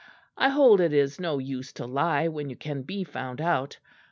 I hold it is no use to lie when you can be found out.